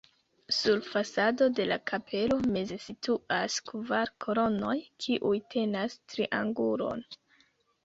Sur fasado de la kapelo meze situas kvar kolonoj, kiuj tenas triangulon.